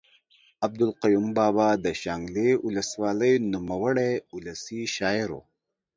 عبدالقیوم بابا د شانګلې اولس والۍ نوموړے اولسي شاعر ؤ